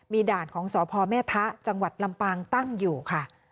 มีด่านของสพแม่ทะจังหวัดลำปางตั้งอยู่ค่ะ